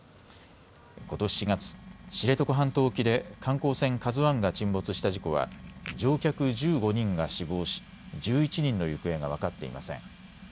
ことし４月、知床半島沖で観光船ＫＡＺＵＩが沈没した事故は乗客１５人が死亡し１１人の行方が分かっていません。